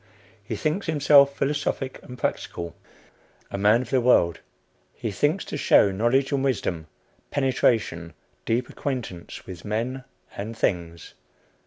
He thinks himself philosophic and practical, a man of the world; he thinks to show knowledge and wisdom, penetration, deep acquaintance with men and things.